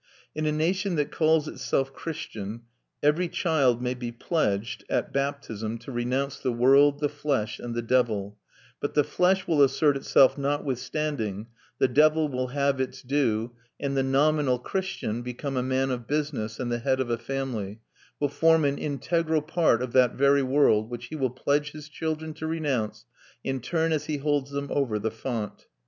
In a nation that calls itself Christian every child may be pledged, at baptism, to renounce the world, the flesh, and the devil; but the flesh will assert itself notwithstanding, the devil will have his due, and the nominal Christian, become a man of business and the head of a family, will form an integral part of that very world which he will pledge his children to renounce in turn as he holds them over the font.